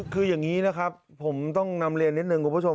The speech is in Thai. คืออย่างนี้นะครับผมต้องนำเรียนนิดนึงคุณผู้ชม